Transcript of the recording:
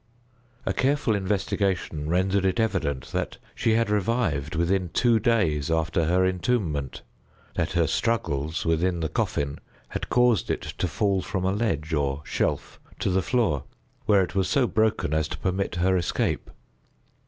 A careful investigation rendered it evident that she had revived within two days after her entombment; that her struggles within the coffin had caused it to fall from a ledge, or shelf to the floor, where it was so broken as to permit her escape.